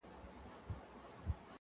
ټوله نــــړۍ راپسي مه ږغوه,